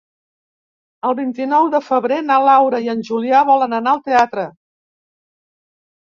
El vint-i-nou de febrer na Laura i en Julià volen anar al teatre.